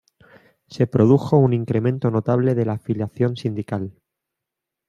Se produjo un incremento notable de la afiliación sindical.